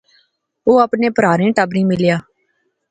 او اپنے پرھاریں ٹبریں ملیا